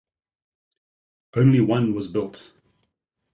Only one was built.